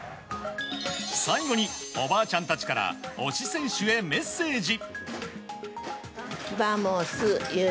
最後におばあちゃんたちから推し選手へメッセージ。